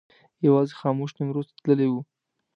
یوازې خاموش نیمروز ته تللی و.